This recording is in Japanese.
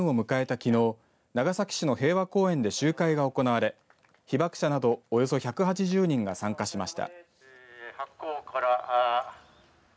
きのう長崎市の平和公園で集会が行われ被爆者などおよそ１８０人が参加しました。